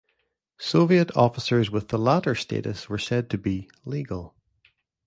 Soviet officers with the latter status were said to be "legal."